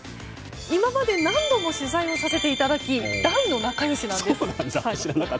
今まで何度も取材をさせていただき大の仲良しなんです。